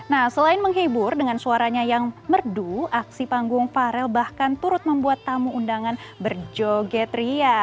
nah selain menghibur dengan suaranya yang merdu aksi panggung farel bahkan turut membuat tamu undangan berjoget ria